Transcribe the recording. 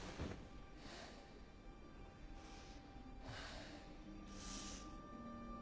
ハァ。